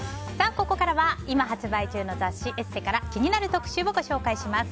ここからは今発売中の雑誌「ＥＳＳＥ」から気になる特集をご紹介します。